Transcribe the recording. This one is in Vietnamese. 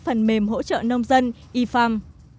phần mềm hỗ trợ nông dân ifam